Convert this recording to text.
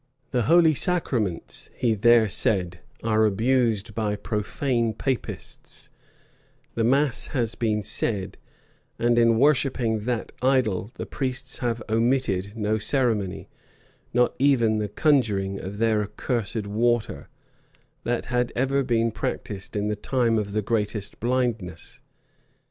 The holy sacraments, he there said, are abused by profane Papists; the mass has been said; and in worshipping that idol, the priests have omitted no ceremony, not even the conjuring of their accursed water, that had ever been practised in the time of the greatest blindness.